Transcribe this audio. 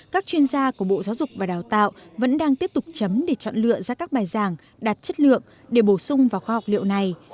các chuyên gia của bộ giáo dục và đào tạo vẫn đang tiếp tục chấm để chọn lựa ra các bài giảng đạt chất lượng để bổ sung vào khoa học liệu này